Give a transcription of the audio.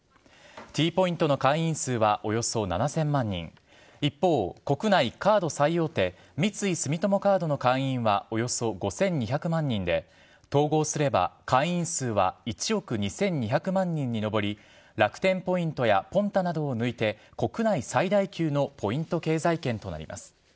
Ｔポイントの会員数はおよそ７０００万人、一方、国内カード最大手、三井住友カードの会員はおよそ５２００万人で、統合すれば、会員数は１億２２００万人に上り、楽天ポイントやポンタなどを抜いて、国内最大級のポイント経済圏となります。